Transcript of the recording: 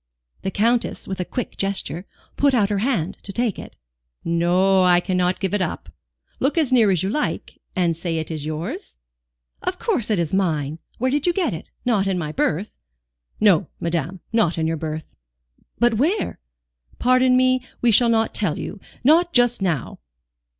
The Countess, with a quick gesture, put out her hand to take it. "No, I cannot give it up. Look as near as you like, and say is it yours?" "Of course it is mine. Where did you get it? Not in my berth?" "No, madame, not in your berth." "But where?" "Pardon me, we shall not tell you not just now."